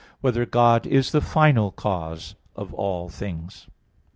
4] Whether God Is the Final Cause of All Things?